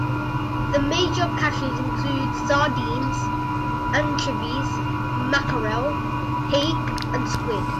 The major catches include: sardines, anchovies, mackerel, hake, and squid.